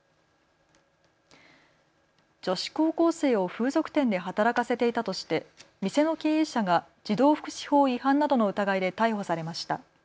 女子高校生を風俗店で働かせていたとして店の経営者が児童福祉法違反などの疑いで逮捕されました。